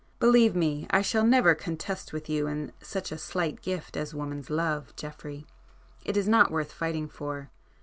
"Believe me, I shall never contest with you such a slight gift as woman's love, Geoffrey. It is not worth fighting for.